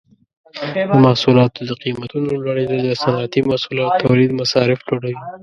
د محصولاتو د قیمتونو لوړیدل د صنعتي محصولاتو تولید مصارف لوړوي.